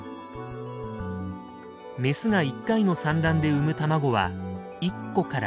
メスが１回の産卵で産む卵は１個から２個。